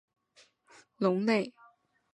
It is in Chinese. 但皮氏吐龙已被重新分类为原始的蛇颈龙类。